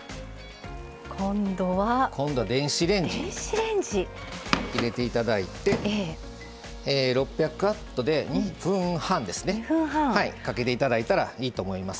今度は電子レンジに入れていただいて６００ワットで２分半かけていただいたらいいと思います。